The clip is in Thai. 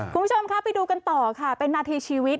คุณผู้ชมค่ะไปดูกันต่อค่ะเป็นนาทีชีวิต